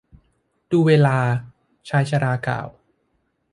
ดูเวลา ชายชรากล่าว